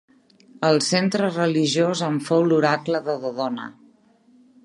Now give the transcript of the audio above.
El centre religiós en fou l'oracle de Dodona.